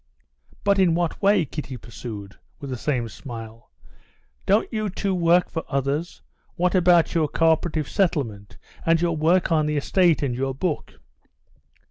"But in what way?" Kitty pursued with the same smile. "Don't you too work for others? What about your co operative settlement, and your work on the estate, and your book?..."